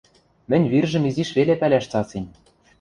Мӹнь виржӹм изиш веле пӓлӓш цацем...